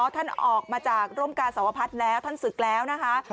ท่านออกมาจากร่มกาสวพัฒน์แล้วท่านศึกแล้วนะคะ